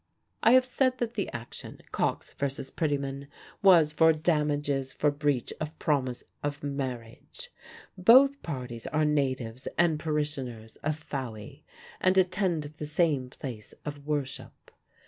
I have said that the action, Cox v. Pretyman, was for damages for Breach of Promise of Marriage. Both parties are natives and parishioners of Fowey, and attend the same place of worship.